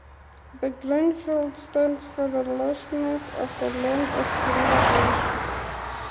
The green field stands for the lushness of the land of Bangladesh.